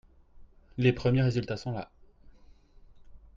Les premiers résultats sont là.